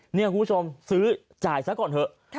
นี่คุณผู้ชมซื้อจ่ายซะก่อนเถอะ